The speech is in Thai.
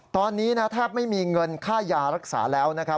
ตอนนี้แทบไม่มีเงินค่ายารักษาแล้วนะครับ